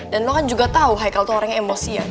dan lu kan juga tau haikal tuh orang yang emosian